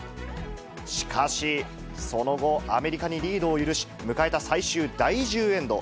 しかし、その後、アメリカにリードを許し、迎えた最終第１０エンド。